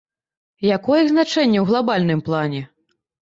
Якое іх значэнне ў глабальным плане?